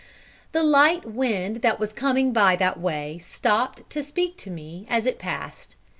The light wind that was coming by that way stopped to speak to me as it passed.